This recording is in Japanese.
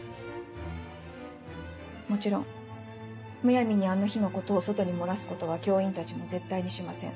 もちろんむやみにあの日のことを外に漏らすことは教員たちも絶対にしません。